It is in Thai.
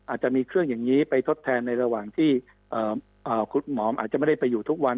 อาจจะมีเครื่องอย่างนี้ไปทดแทนในระหว่างที่คุณหมออาจจะไม่ได้ไปอยู่ทุกวัน